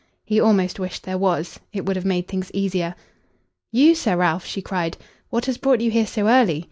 He almost wished there was. It would have made things easier. "You, Sir Ralph?" she cried. "What has brought you here so early?